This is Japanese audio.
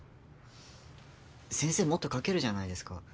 先生もっと描けるじゃないですか。